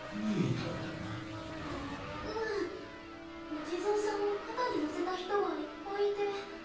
お地蔵さんを肩にのせた人がいっぱいいて。